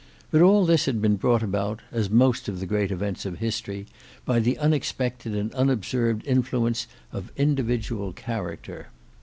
But all this had been brought about, as most of the great events of history, by the unexpected and unobserved influence of individual character.